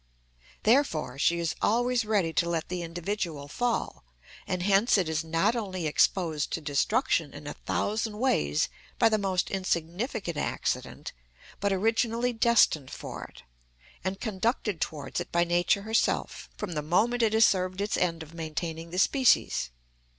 Therefore she is always ready to let the individual fall, and hence it is not only exposed to destruction in a thousand ways by the most insignificant accident, but originally destined for it, and conducted towards it by Nature herself from the moment it has served its end of maintaining the species.